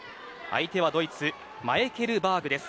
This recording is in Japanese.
相手はドイツマエケルバーグです。